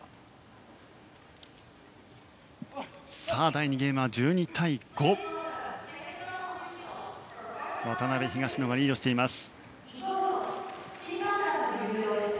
第２ゲームは１２対５と渡辺、東野がリードしています。